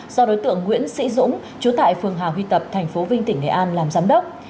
do đối tượng nguyễn sĩ dũng chú tại phường hà huy tập tp vinh tỉnh nghệ an làm giám đốc